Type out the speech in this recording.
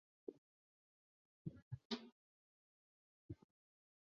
刺果血桐为大戟科血桐属下的一个种。